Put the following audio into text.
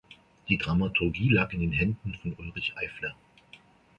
Die Dramaturgie lag in den Händen von Ulrich Eifler.